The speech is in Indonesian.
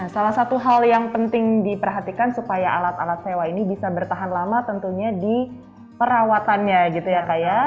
salah satu hal yang penting diperhatikan supaya alat alat sewa ini bisa bertahan lama tentunya di perawatannya gitu ya kak ya